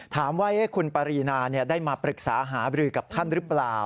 ถามว่าคุณปรีนาได้มาปรึกษาหาบรือกับท่านหรือเปล่า